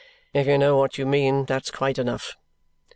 "If you know what you mean, that's quite enough."